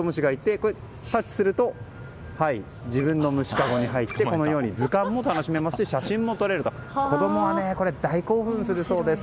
これをタッチすると自分の虫かごに入って図鑑も楽しめますし写真も撮れて子供は大興奮するそうです。